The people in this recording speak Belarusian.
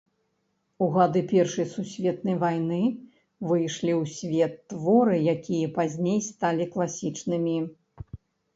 У гады першай сусветнай вайны выйшлі ў свет творы, якія пазней сталі класічнымі.